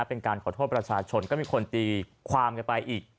เป็นการขอโทษประชาชนก็มีคนตีความกันไปอีก